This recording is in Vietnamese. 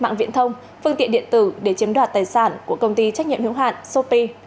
mạng viễn thông phương tiện điện tử để chiếm đoạt tài sản của công ty trách nhiệm hiếu hạn sopi